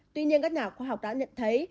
tuy nhiên các nhà khoa học đã nhận thấy